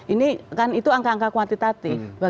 ini kan itu angka angka kuantitatif